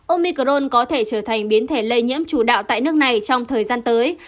omicron có thể trở thành biến thể lây nhiễm chủ đạo tại nước này trong thời gian tới